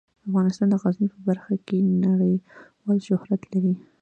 افغانستان د غزني په برخه کې نړیوال شهرت لري.